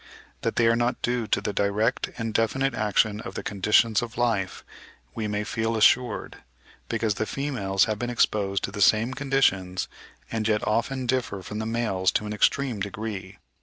That they are not due to the direct and definite action of the conditions of life, we may feel assured, because the females have been exposed to the same conditions, and yet often differ from the males to an extreme degree.